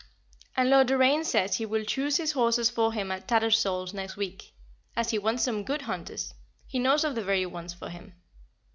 And Lord Doraine says he will choose his horses for him at Tattersall's next week, as he wants some good hunters; he knows of the very ones for him.